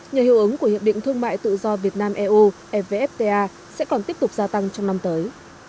nhờ hiệu ứng của hiệp định thương mại tự do việt nam eu evfta sẽ còn tiếp tục gia tăng trong năm tới